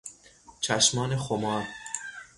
چشمان خمار